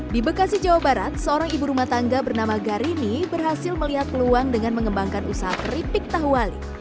di bekasi jawa barat seorang ibu rumah tangga bernama garini berhasil melihat peluang dengan mengembangkan usaha keripik tahu wali